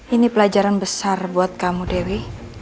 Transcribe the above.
ini pelajaran besar buat kamu dewi